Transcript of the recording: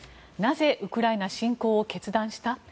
なぜウクライナ侵攻を決断した？